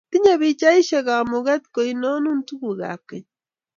tinyei pichaisiek kamuget ko inonun tugukab keny